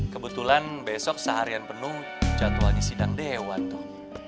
kebetulan besok seharian penuh jadwalnya sidang dewan tuh